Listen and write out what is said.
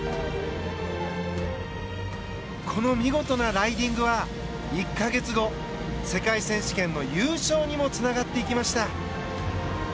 この見事なライディングは１か月後、世界選手権の優勝にもつながっていきました。